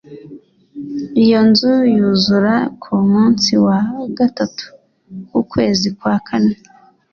Iyo nzu yuzura ku munsi wa gatatu w ukwezi kwa kane